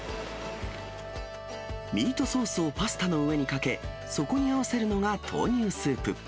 ミートソースをパスタの上にかけ、そこに合わせるのが豆乳スープ。